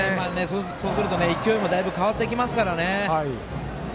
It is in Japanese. そうすると勢いもだいぶ変わってきますからね。